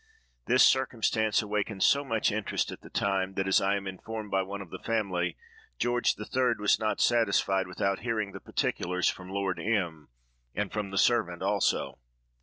This circumstance awakened so much interest at the time, that, as I am informed by one of the family, George the Third was not satisfied without hearing the particulars from Lord M—— and from the servant also.